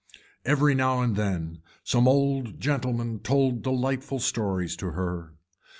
Every now and then some old gentlemen told delightful stories to her.